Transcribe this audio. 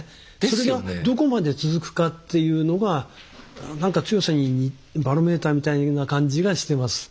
それがどこまで続くかっていうのがなんか強さにバロメーターみたいな感じがしてます。